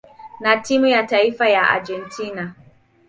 na timu ya taifa ya Argentina.